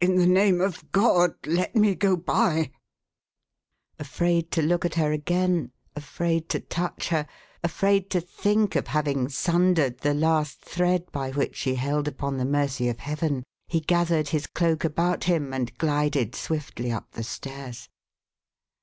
In the name of God, let me go by !" Afraid to look at her again, afraid to touch her, afraid to 484 THE HAUNTED MAN. think of having sundered the last thread by which she held upon the mercy of Heaven, he gathered his cloak about him, and glided swiftly up the stairs.